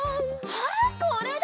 あっこれだ！